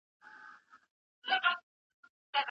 د تابلو په ننداره کې زنګېدلی د خوب غېږ ته ورځي.